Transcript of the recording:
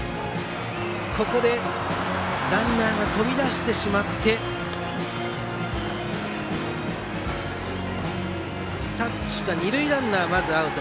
ここでランナーが飛び出してしまってタッチした二塁ランナー、まずアウト。